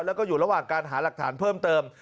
แล้วก็อยู่ระหว่างการหาหลักฐานเพิ่มเติม